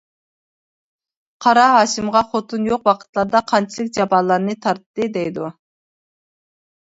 قارا ھاشىمغا خوتۇن يوق ۋاقىتلاردا قانچىلىك جاپالارنى تارتتى دەيدۇ.